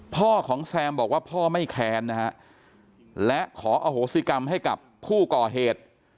พ่อของแซมบอกว่าพ่อไม่แค้นนะฮะและขออโหสิกรรมให้กับผู้ก่อเหตุ